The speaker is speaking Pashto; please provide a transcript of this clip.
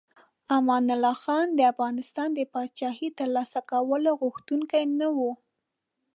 امان الله خان د افغانستان د پاچاهۍ د ترلاسه کولو غوښتونکی نه و.